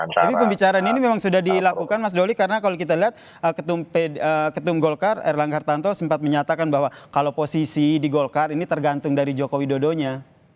tapi pembicaraan ini memang sudah dilakukan mas doli karena kalau kita lihat ketum golkar erlangga hartanto sempat menyatakan bahwa kalau posisi di golkar ini tergantung dari joko widodonya